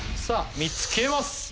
さあ３つ消えます！